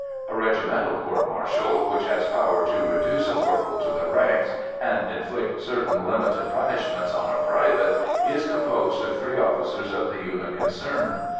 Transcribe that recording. A regimental court martial, which has power to reduce a corporal to the ranks and inflict certain limited punishments on a private, is composed of three officers of the unit concerned.